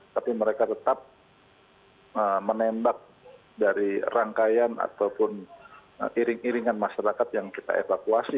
tapi mereka tetap menembak dari rangkaian ataupun iring iringan masyarakat yang kita evakuasi